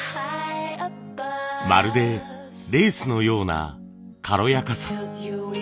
まるでレースのような軽やかさ。